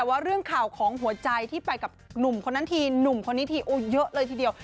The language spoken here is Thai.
แต่ว่าเรื่องข่าวของหัวใจที่ไปกับหนุ่มคนนั้นทีหนุ่มคนนี้ทีโอ้เยอะเลยทีเดียว